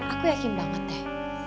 aku yakin banget deh